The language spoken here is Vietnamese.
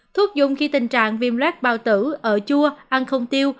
thuốc dùng khi tình trạng viêm luet bao tử ở chua ăn không tiêu